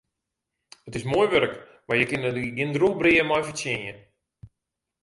It is moai wurk, mar je kinne der gjin drûch brea mei fertsjinje.